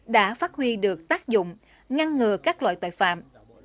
đã phát huy được tác dụng ngăn ngừa các loại tội phạm